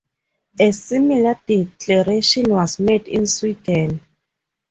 A similar declaration was made in Sweden.